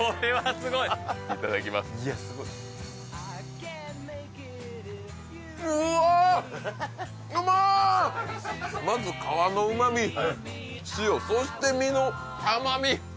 すごいうわあまず皮のうまみ塩そして身の甘み